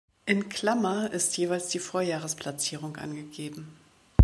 In Klammer ist jeweils die Vorjahresplatzierung angegeben.